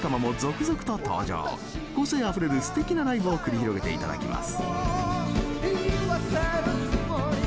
個性あふれるすてきなライブを繰り広げていただきます。